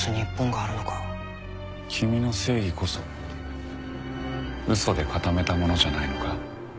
君の正義こそ嘘で固めたものじゃないのか？